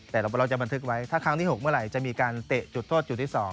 แต่เราจะบันทึกไว้ถ้าครั้งที่๖เมื่อไหร่จะมีการเตะจุดโทษจุดที่๒